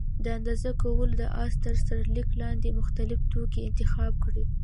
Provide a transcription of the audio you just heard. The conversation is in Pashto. د اندازه کولو د اساس تر سرلیک لاندې مختلف توکي انتخاب کړل.